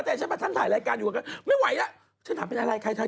แล้วมีผลกับการทำงานไหมมีสิ